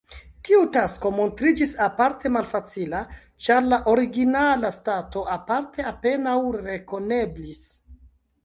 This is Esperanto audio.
Tiu tasko montriĝis aparte malfacila, ĉar la origina stato parte apenaŭ rekoneblis.